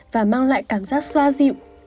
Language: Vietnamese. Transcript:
và mang lại cảm giác xoa dịu